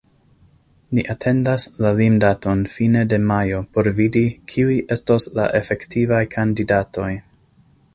Ni atendas la limdaton fine de majo por vidi, kiuj estos la efektivaj kandidatoj.